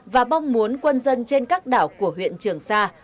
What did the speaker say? và mong muốn quân dân trên các đảo của huyện trường sa